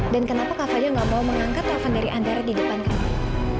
dan kenapa kak fadil gak mau mengangkat telpon dari andara di depan kamu